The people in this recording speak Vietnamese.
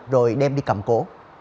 rồi đem đi cầm cố